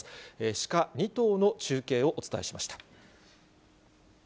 シカ２頭の中継をお伝えしました。